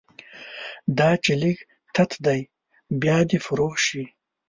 دا چې لږ تت دی، بیا دې فروغ شي